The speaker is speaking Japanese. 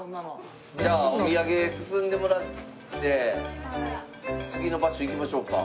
じゃあお土産包んでもらって次の場所行きましょうか。